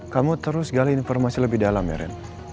kamu terus gali informasi lebih dalam ya ren